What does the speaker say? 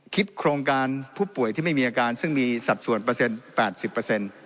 โครงการผู้ป่วยที่ไม่มีอาการซึ่งมีสัดส่วนเปอร์เซ็นต์๘๐เปอร์เซ็นต์